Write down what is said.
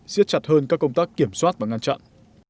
xiết chặt hơn các công tác kiểm soát và ngăn chặn